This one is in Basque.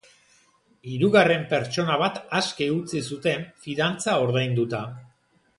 Hirugarren pertsona bat aske utzi zuten fidantza ordainduta.